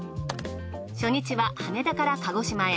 初日は羽田から鹿児島へ。